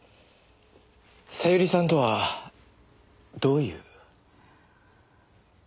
小百合さんとはどういう？